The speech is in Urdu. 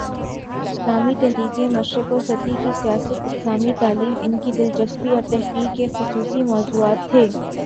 اسلامی تحریکیں، مشرق وسطی کی سیاست، اسلامی تعلیم، ان کی دلچسپی اور تحقیق کے خصوصی موضوعات تھے۔